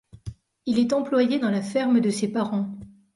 Il est employé dans la ferme de ses parents.